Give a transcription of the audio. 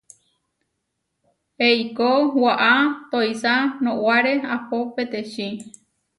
Eikó waʼá toisá, nowáre ahpó peteči.